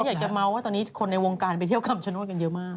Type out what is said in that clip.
อยากจะเมาว่าตอนนี้คนในวงการไปเที่ยวคำชโนธกันเยอะมาก